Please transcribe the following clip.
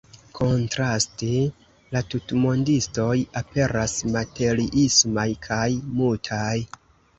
Kontraste, la tutmondistoj aperas materiismaj kaj mutaj.